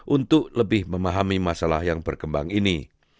untuk lebih memahami masalah yang berkembang ini